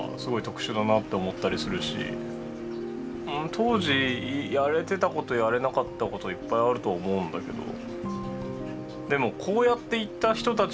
当時やれてたことやれなかったこといっぱいあると思うんだけどでも教育的な観点ではね。